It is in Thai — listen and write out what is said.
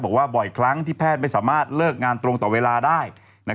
บอกว่าบ่อยครั้งที่แพทย์ไม่สามารถเลิกงานตรงต่อเวลาได้